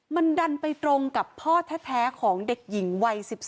มันดันไปตรงกับพ่อแท้ของเด็กหญิงวัย๑๒